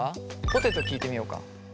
ぽてと聞いてみようか。